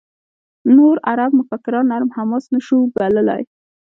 نور عرب مفکران «نرم حماس» نه شو بللای.